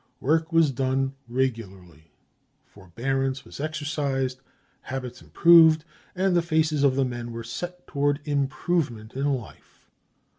Work was done regularly, forbearance was exercised, habits improved, and the faces of the men were set toward improvement in life.